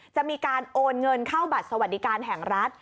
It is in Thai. จะมีการโอนเงินเข้าบัตรสวัสดิการแห่งรัฐ